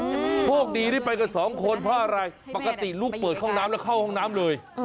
โชคดีที่ไปกับสองคนเพราะอะไรปกติลูกเปิดห้องน้ำแล้วเข้าห้องน้ำเลย